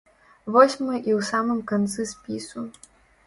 Вось мы і ў самым канцы спісу.